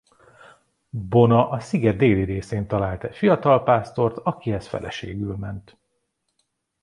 Bona a sziget déli részén talált egy fiatal pásztort akihez feleségül ment.